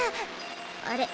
あれ？